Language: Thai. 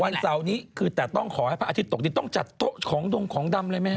วันเสาร์นี้คือแต่ต้องขอให้พระอาทิตย์ตกที่ต้องจัดของดำเลยไหม